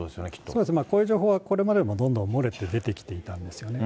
そうです、こういう情報はこれまでもどんどん漏れて出てきてたんですよね。